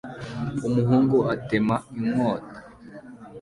Umuhungu atema inkota